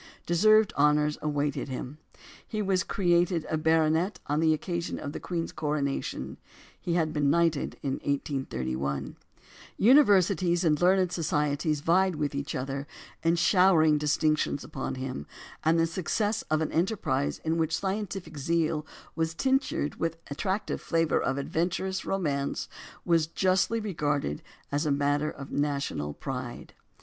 Deserved honours awaited him. He was created a baronet on the occasion of the Queen's coronation (he had been knighted in 1831); universities and learned societies vied with each other in showering distinctions upon him; and the success of an enterprise in which scientific zeal was tinctured with an attractive flavour of adventurous romance, was justly regarded as a matter of national pride.